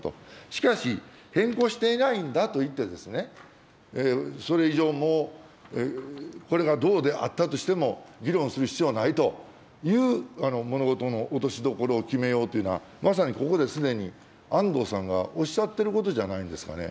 しかし、変更していないんだと言ってですね、それ以上もう、これがどうであったとしても、議論する必要はないという物事の落としどころを決めようというのは、まさにここですでに安藤さんがおっしゃってることじゃないんですかね。